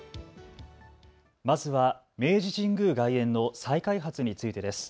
まずは明治神宮外苑の再開発についてです。